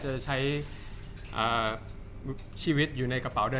จากความไม่เข้าจันทร์ของผู้ใหญ่ของพ่อกับแม่